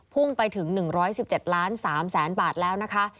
พุ่งไปถึง๑๑๗๓๐๐๐๐๐บาทแล้วนะคะ